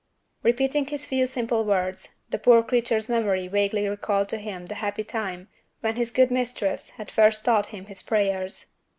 Repeating his few simple words, the poor creature's memory vaguely recalled to him the happy time when his good mistress had first taught him his prayers.